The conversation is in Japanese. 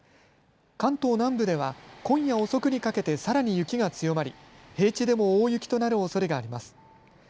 関東南部では今夜遅くにかけてさらに雪が強まり平地でも大雪となるおそれがあります。